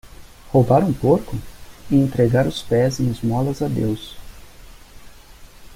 Roubar um porco? e entregar os pés em esmolas a Deus.